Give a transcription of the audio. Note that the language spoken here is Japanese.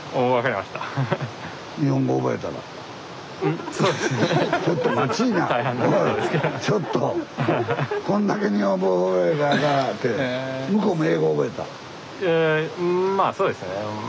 まあそうですね。